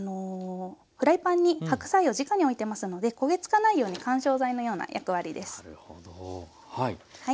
フライパンに白菜をじかに置いてますので焦げつかないように緩衝材のような役割です。